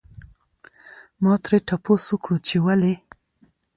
ما ترې تپوس وکړو چې ولې؟